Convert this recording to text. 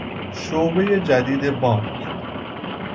شعبهی جدید بانک